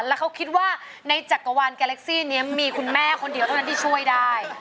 แล้วเขาคิดว่าในจักรวาลแกเล็กซี่นี้มีคุณแม่คนเดียวเท่านั้นที่ช่วยได้